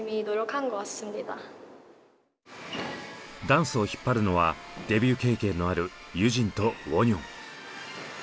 ダンスを引っ張るのはデビュー経験のあるユジンとウォニョン。